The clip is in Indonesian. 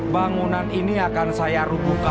bangunan ini akan saya rubuhkan